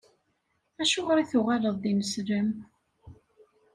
Acuɣeṛ i tuɣaleḍ d ineslem?